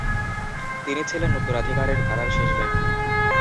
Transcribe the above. তিনি ছিলেন উত্তরাধিকারের ধারার শেষ ব্যক্তি।